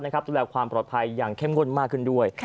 ดูแลความปลอดภัยอย่างเข้มงวดมากขึ้นด้วย